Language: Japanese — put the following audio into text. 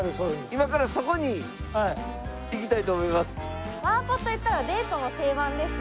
今からそこに行きたいと思います。